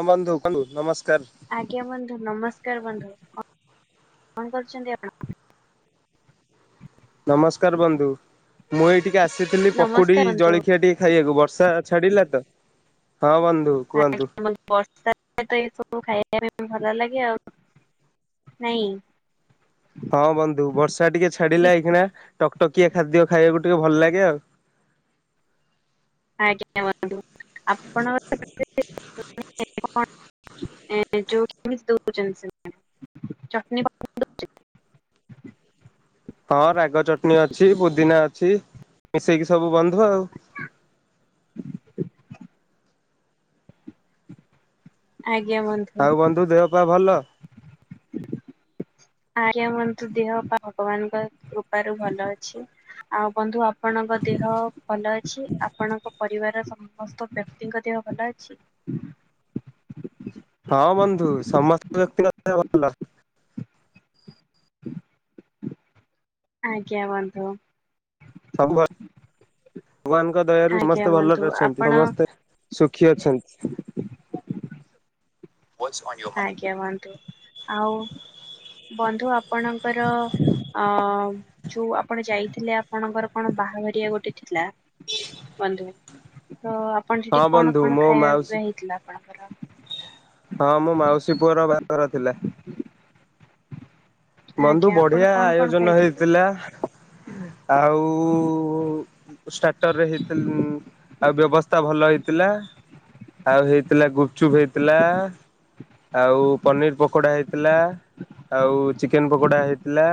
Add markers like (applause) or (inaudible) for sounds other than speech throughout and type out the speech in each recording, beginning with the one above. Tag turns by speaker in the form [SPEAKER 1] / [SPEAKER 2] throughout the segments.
[SPEAKER 1] ହଁ ବନ୍ଧୁୁ ତାଙ୍କୁ ନମସ୍କାର।
[SPEAKER 2] ଆଜ୍ଞା ବନ୍ଧୁ ନମସ୍କାର ବନ୍ଧୁ କ କଣ କରୁଛନ୍ତି ଆପଣ?
[SPEAKER 1] ନମସ୍କାର ବନ୍ଧୁ ମୁଁ ଏଇ ଟିକି ଆସିଥିଲି ପକୁଡ଼ି
[SPEAKER 2] ନମସ୍କାର ବନ୍ଧୁ
[SPEAKER 1] ଜଳଖିଆ ଟିକେ ଖାଇବାକୁ ବର୍ଷା ଛାଡିଲା ତ ହଁ ବନ୍ଧୁ କୁହନ୍ତୁ।
[SPEAKER 2] ଆଜ୍ଞା ବର୍ଷା। ତ ଏ ସବୁ ଖାଇବା ପାଇଁ ଭଲ ଲାଗେ ଆଉ ନାଇଁ।
[SPEAKER 1] ହଁ ବନ୍ଧୁ ବର୍ଷା ଟିକେ ଛାଡିଲା
[SPEAKER 2] ଠିକ
[SPEAKER 1] ଏଇକଣା ଟକଟକିଆ ଖାଦ୍ୟ ଖାଇବାକୁ ଟିକେ ଭଲ ଲାଗେ ଆଉ।
[SPEAKER 2] ଆଜ୍ଞା ନନ୍ତୁ ଆପଣ (unintelligible) ଯ ଦ ଜ ଚଟ (unintelligible)
[SPEAKER 1] ହଁ ରାଗ ଚଟଣି ଅଛି ପୁଦିନା ଅଛି ମିଶେଇକି ସବୁ ବନ୍ଧୁ ଆଉ।
[SPEAKER 2] ଆଜ୍ଞା ବନ୍ଧୁ।
[SPEAKER 1] ଆଉ ବନ୍ଧୁ ଦେହ ପା ଭଲ?
[SPEAKER 2] ଆଜ୍ଞା ବନ୍ଧୁ ଦେହ ପା ଭଗବାନଙ୍କର କୃପାରୁ ଭଲ ଅଛି। ଆଉ ବନ୍ଧୁ ଆପଣଙ୍କ ଦେହ ଭଲ ଅଛି ଆପଣଙ୍କ ପରିବାରର ସବୁ ସମସ୍ତ ବ୍ୟକ୍ତିଙ୍କ ଦେହ ଭଲ ଅଛି?
[SPEAKER 1] ହଁ ବନ୍ଧୁ ସମସ୍ତ ବ୍ୟକ୍ତି ଙ୍କ ଦେହ ଭଲ।
[SPEAKER 2] ଆଜ୍ଞ ବନ୍ଧୁ।
[SPEAKER 1] ସବୁ ଉ ଭଗବାନଙ୍କ ଦୟାରୁ
[SPEAKER 2] ଆଜ୍ଞା
[SPEAKER 1] ସମସ୍ତେ
[SPEAKER 2] ବନ୍ଧୁ
[SPEAKER 1] ଭଲରେ ଅଛନ୍ତି
[SPEAKER 2] ଆପଣ
[SPEAKER 1] ସମସ୍ତେ ସୁଖୀ ଅଛନ୍ତି?
[SPEAKER 2] ଆଜ୍ଞା ବନ୍ଧୁ ଆଉ ବନ୍ଧୁ ଆପଣଙ୍କର ଅ ଯୋଉ ଆପଣ ଯାଇଥିଲେ ଆପଣଙ୍କର କଣ ବାହାଘରିଆ ଗୋଟେ ଥିଲା ବନ୍ଧୁ ତ ଆପଣ ସେଠି
[SPEAKER 1] ହଁ
[SPEAKER 2] କଣ
[SPEAKER 1] ବନ୍ଧୁ
[SPEAKER 2] କଣ
[SPEAKER 1] ମୋ
[SPEAKER 2] ଖାଇବା
[SPEAKER 1] ମାଉସୀ
[SPEAKER 2] ପିଇବା ହେଇଥିଲା ଆପଣଙ୍କର
[SPEAKER 1] ହଁ ମୋ ମାଉସୀ ପୁଅର ବାହାଘର ଥିଲା। ବନ୍ଧୁ
[SPEAKER 2] ଆଜ୍ଞା ଆପଣ
[SPEAKER 1] ବଢିଆ
[SPEAKER 2] କଣ କଣ
[SPEAKER 1] ଆୟୋଜନ
[SPEAKER 2] ଖାଇଥିଲେ?
[SPEAKER 1] ହେଇଥିଲା। ଆଉ ଷ୍ଟାର୍ଟରରେ ହେଇଥିଲ ଆଉ ବ୍ୟବସ୍ତା ଭଲ ହେଇଥିଲା ଆଉ ହେଇଥିଲା ଗୁପଚୁପ ହେଇଥିଲା। ଆଉ ପନିରି ପକୋଡ଼ା ହେଇଥିଲା ଆଉ ଚିକେନ ପକୋଡା ହେଇଥିଲା,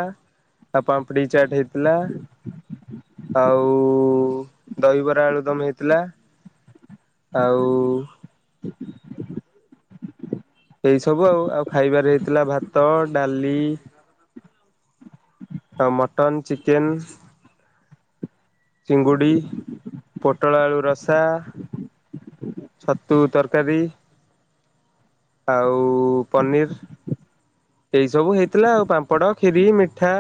[SPEAKER 1] ଆଉ ପାମ୍ପଡ଼ି ଚାଟ୍ ହେଇଥିଲା ଆଉ ଦହିବରା ଆଳୁ ଦମ ହେଇଥିଲା। ଆଉ ଏଇ ସବୁ ଆଉ ଆଉ, ଖାଇବାରେ ହେଇଥିଲା ଭାତ, ଡାଲି ଆଉ ମଟନ୍, ଚିକେନ୍ ଚିଙ୍ଗୁଡ଼ି, ପୋଟଳ ଆଳୁ ରସା ଛତୁ ତରକାରୀ ଆଉ ପନିର୍। ଏଇ ସବୁ ହେଇଥିଲା ଆଉ ପାମ୍ପଡ଼, ଖିରି, ମିଠା।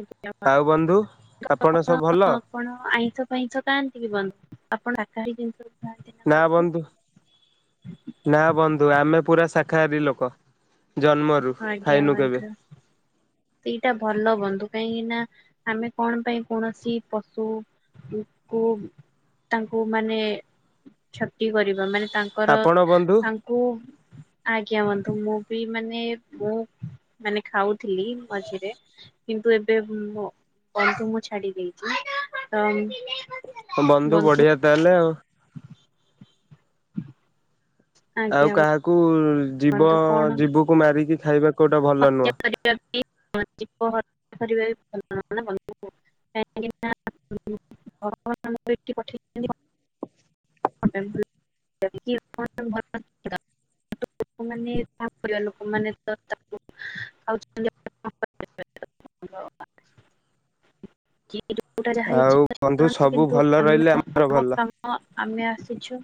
[SPEAKER 2] ଆଜ୍ଞା।
[SPEAKER 1] ଆଉ ବନ୍ଧୁ ଆପଣ ସବୁ ଭଲ?
[SPEAKER 2] ଆପଣ ଆଇଁଷ ଫାଇଁଷ କାଆନ୍ତି କି ବନ୍ଧୁ? ଆପଣ ସାକାହାରୀ ଜିନଷ
[SPEAKER 1] ନା ବନ୍ଧୁ, ନା ବନ୍ଧୁ ଆମେ ପୁରା ଶାଖହାରୀ ଲୋକ। ଜନ୍ମରୁ ଖାଇନୁ କେବେ
[SPEAKER 2] ହ ସେଇଟା ଭଲ ବନ୍ଧୁ। କାହିଁକି ନା ଆମେ କଣ ପାଇଁ କୌଣସି ପଶୁ କୁ ତାଙ୍କୁ ମାନେ ଛତି କରିବା ମାନେ ତାଙ୍କର,
[SPEAKER 1] ଆପଣ ବନ୍ଧୁ
[SPEAKER 2] ତାଙ୍କୁ, ଆଜ୍ଞା ବନ୍ଧୁ, ମୁଁ ବି ମାନେ ମୁଁ ମାନେ ଖାଉଥିଲି ମଝିରେ କିନ୍ତୁ ଏବେ, ବନ୍ଧୁ ମୁଁ ଛାଡି ଦେଇେଇଛି ତ
[SPEAKER 1] ବନ୍ଧୁ ବଢିଆ ତାହେଲେ ଆଉ।
[SPEAKER 2] ହ।
[SPEAKER 1] ଆଉ
[SPEAKER 2] ଆଜ୍ଞା
[SPEAKER 1] କାହାକୁ ଜୀବ,
[SPEAKER 2] ବନ୍ଧୁ କଣ
[SPEAKER 1] ଜୀବକୁ, ମାରିକି ଖାଇବା କୋଉଟା ଭଲ ନୁହଁ
[SPEAKER 2] (unintelligible) (unintelligible) (unintelligible) (unintelligible) ଲୋକମାନେ ବି କଣ କରିବେ, ଲୋକମାନେ ତ ତାକୁ ଖାଉଛନ୍ତି (unintelligible) (unintelligible)
[SPEAKER 1] ଆଉ ବନ୍ଧୁ ସବୁ ଭଲ ରହିଲେ ଆମର ଭଲ
[SPEAKER 2] ହଁ ଆମେ ଆସିଛୁ,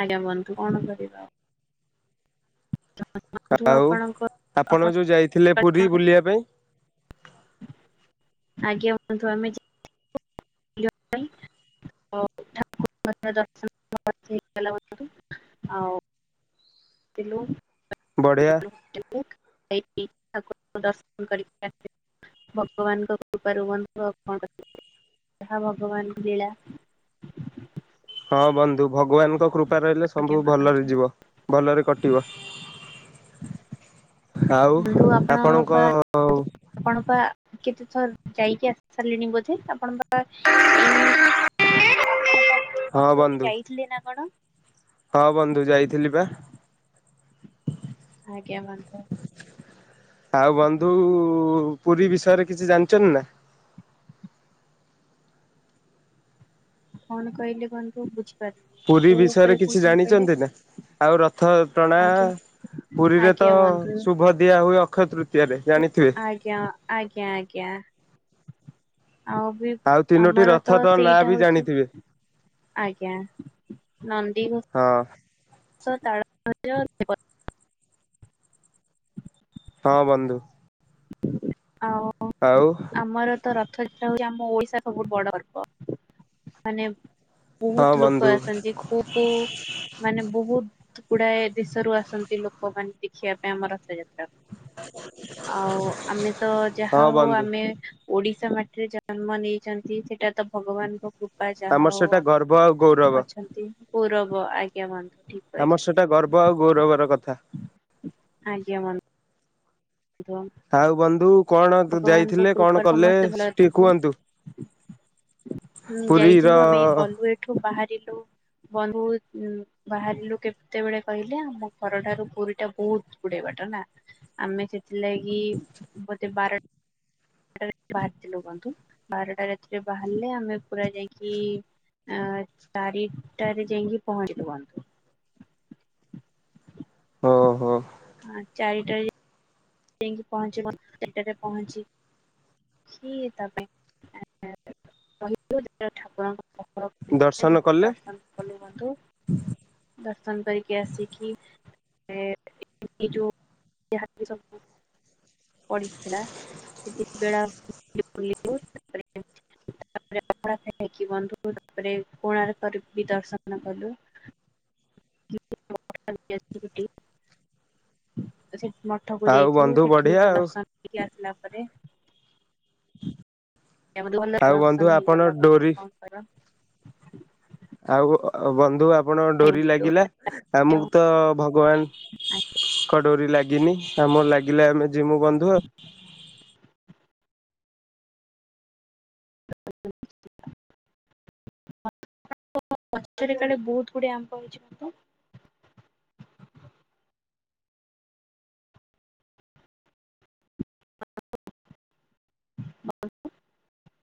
[SPEAKER 2] ଆଜ୍ଞା ବନ୍ଧୁ କଣ କରିବା ଆଉ? (unintelligible)
[SPEAKER 1] ଆଉ ଆପଣ ଯୋଉ ଯାଇଥିଲେ, ପୁରୀ ବୁଲିବା ପାଇଁ?
[SPEAKER 2] ଆଜ୍ଞା ବନ୍ଧୁ ଆମେ ଯାଇଥିଲୁ (unintelligible) ଠାକୁର ଦର୍ଶନ କରିଛି (unintelligible) ହ୍ୟାଲୋ
[SPEAKER 1] ବଢ଼ିଆ।
[SPEAKER 2] ଯାଇଥିଲୁ, ଯାଇକି ଠାକୁରଙ୍କୁ ଦର୍ଶନ କରି ଆସି ଭଗବାନଙ୍କ କୃପାରୁ ବନ୍ଧୁ, ଆଉ କଣ କରିପାରିବା, ଯାହା ଭଗବାନଙ୍କୁ ଲୀଳା।
[SPEAKER 1] ହଁ ବନ୍ଧୁ, ଭଗବାନଙ୍କ କୃପା ରହିଲେ
[SPEAKER 2] ଆଜ୍ଞା
[SPEAKER 1] ସବୁ ଭଲରେ
[SPEAKER 2] ବନ୍ଧୁ।
[SPEAKER 1] ଯିବ। ଭଲରେ କଟିବ। ଆଉ ଆପଣଙ୍କ
[SPEAKER 2] ଯି ଆପଣ ପା କେତେ ଥର ଯାଇକି ଆସି ସାରିଲିଣି ବୋଧେ? ଆପଣଙ୍କ ପା ବନ୍ଧୁ ଏବେ ଯାଇଥିଲେ ନା କଣ?
[SPEAKER 1] ହଁ ବନ୍ଧୁ ଯାଇଥିଲି ବା।
[SPEAKER 2] ଆଜ୍ଞା ବନ୍ଧୁ।
[SPEAKER 1] ଆଉ ବନ୍ଧୁ ପୁରୀ ବିଷୟରେ କିଛି ଜାଣିଛନ୍ତି ନା?
[SPEAKER 2] କଣ କହିଲେ ବନ୍ଧୁ ବୁଝି
[SPEAKER 1] ପୁରୀ ବିଷୟରେ କିଛି ଜାଣିଛନ୍ତି ନା? ଆଉ ରଥ ଟଣା
[SPEAKER 2] ଆଜ୍ଞା
[SPEAKER 1] ପୁରୀରେ ତ
[SPEAKER 2] ଆଜ୍ଞା ବନ୍ଧୁ
[SPEAKER 1] ଶୁଭ ଦିଆ ହୁଏ ଅକ୍ଷୟ ତୃତୀୟ ଜାଣିଥିବେ।
[SPEAKER 2] ଆଜ୍ଞା ଆଜ୍ଞା ଆଜ୍ଞା ଆଉ
[SPEAKER 1] ତିନୋଟି
[SPEAKER 2] ଆମର ତ
[SPEAKER 1] ରଥର ନାଁ
[SPEAKER 2] ସେଇଟା
[SPEAKER 1] ବି
[SPEAKER 2] ହଉଛି।
[SPEAKER 1] ଜାଣିଥିବେ
[SPEAKER 2] ଆଜ୍ଞା ନନ୍ଦୀ
[SPEAKER 1] ହଁ।
[SPEAKER 2] (unintelligible)
[SPEAKER 1] ହଁ ବନ୍ଧୁ।
[SPEAKER 2] ହଉ।
[SPEAKER 1] ଆଉ।
[SPEAKER 2] ଆମର ତ ରଥଯାତ୍ରା ହଉଛି ଆମ ଓଡିଶା ସବୁଠୁ ବଡ ଗର୍ବ ମାନେ
[SPEAKER 1] ହଁ
[SPEAKER 2] ବହୁତ ଲୋକ
[SPEAKER 1] ବନ୍ଧୁ
[SPEAKER 2] ଆସନ୍ତି କୋଉ କୋଉ ମାନେ ବହୁତ ଗୁଡାଏ ଦେଶରୁ ଆସନ୍ତି ଲୋକମାନେ ଦେଖିବା ପାଇଁ ଆମ ରଥଯାତ୍ରା।
[SPEAKER 1] (inaudible)
[SPEAKER 2] ଆଉ ଆମେ ତ ଯାହା
[SPEAKER 1] ହଁ
[SPEAKER 2] ହଉ
[SPEAKER 1] ବନ୍ଧୁ।
[SPEAKER 2] ଆମେ ଓଡିଶା ମାଟିରେ ଜନ୍ମ ନେଇଛନ୍ତି ସେଟା ତ ଭଗବାନଙ୍କ କୃପା ଯାହା
[SPEAKER 1] ଆମର
[SPEAKER 2] ହଉ
[SPEAKER 1] ସେଟା ଗର୍ବ ଆଉ ଗୌରବ
[SPEAKER 2] ଆମେ ଅଛନ୍ତି ଗୌରବ ଆଜ୍ଞା ବନ୍ଧୁ। ଠିକ କହିଛ।
[SPEAKER 1] ଆମର ସେଟା ଗର୍ବ ଆଉ ଗୌରବର କଥା।
[SPEAKER 2] ଆଜ୍ଞା ବନ୍ଧୁ। (inaudible)
[SPEAKER 1] ଆଉ ବନ୍ଧୁ କଣ
[SPEAKER 2] ଭଗବାନଙ୍କ
[SPEAKER 1] ଯାଇଥିଲେ କଣ
[SPEAKER 2] କୃପାରୁ
[SPEAKER 1] କଲେ
[SPEAKER 2] ସମସ୍ତେ ଭଲରେ
[SPEAKER 1] ଟିକେ
[SPEAKER 2] ରୁହନ୍ତୁ।
[SPEAKER 1] କୁହନ୍ତୁ।
[SPEAKER 2] ହୁଁ
[SPEAKER 1] ପୁରୀ ର
[SPEAKER 2] ଯାଇଥିଲୁ ଆମେ ଗଲୁ ଏଠୁ ବାହାରିଲୁ ବନ୍ଧୁ ବାହାରିଲୁ କେତେବେଳେ କହିଲେ ଆମ ଘରଠାରୁ ପୁରୀ ଟା ବହୁତ ଗୁଡେ ବାଟା ନା ଆମେ ସେଥିଲାଗି ବୋତେ ବାରଟ ବଟ ବାହାରିଥିଲୁ ବନ୍ଧୁ ବାରଟା ରାତିରେ ବାହାରିଲେ ଆମେ ପୁରା ଯାଇକି ଆ ଚାରିଖଟାରେ ଯାଇକି ପହଁଚିଲୁ ଆମେ।
[SPEAKER 1] ଓହୋ
[SPEAKER 2] ଆ ଚାରିଟା ଯାଇକି ପହଞ୍ଚିବ ଚାରିଟାରେ ପହଞ୍ଚି ସେ ହିସପ କହିବୁ ଠାକୁରଙ୍କୁ
[SPEAKER 1] ଦର୍ଶନ
[SPEAKER 2] ଜାଇଁକି
[SPEAKER 1] କଲେ
[SPEAKER 2] ଦର୍ଶନ କଲୁ ବନ୍ଧୁ। ଦର୍ଶନ କରିକି ଆସିକି ତାପରେ ଯାହା ବି ଏଇ ସବୁ (inaudible) ପଡିଥିଲା ସେଠି ବେଳାଭୂମି ବୁଲିଲୁ। ତାପରେ ଅଖକି ବନ୍ଧୁ ତାପରେ କୋଣାର୍କରେ ବି ଦର୍ଶନ କଲୁ। (inaudible) ସେ ମଠକୁ
[SPEAKER 1] ଆଉ
[SPEAKER 2] ଯାଇଥିବୁ
[SPEAKER 1] ବନ୍ଧୁ
[SPEAKER 2] ସେଠି
[SPEAKER 1] ବଢିଆ
[SPEAKER 2] ସବୁ
[SPEAKER 1] ଆଉ।
[SPEAKER 2] ଦର୍ଶନ କରକି ଆସିଲା ପରେ ଭଲରେ ଭଲରେ
[SPEAKER 1] ଆଉ ବନ୍ଧୁ
[SPEAKER 2] ଦର୍ଶନ
[SPEAKER 1] ଆପଣ
[SPEAKER 2] ହେଇଗଲା
[SPEAKER 1] ଡୋରି
[SPEAKER 2] କଣ କହିଲ।
[SPEAKER 1] ଆଉ ବନ୍ଧୁ ଆପଣ ଡୋରି ଲାଗିଲା ଆମକୁ ତ ଭଗବାନ ଙ୍କ ଡୋରୀ ଲାଗିନି ଆମର ଲାଗିଲା ଆମେ ଯିମୁ ବନ୍ଧୁ।
[SPEAKER 2] (inaudible) କାଳେ ବହୁତ ଗୁଦାଏ ଆମ୍ବ ହେଇଛି ତ। (inaudible)